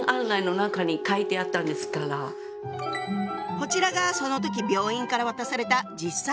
こちらがその時病院から渡された実際の入院案内。